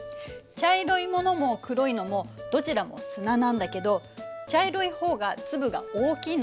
茶色いものも黒いのもどちらも砂なんだけど茶色い方が粒が大きいので先に沈むの。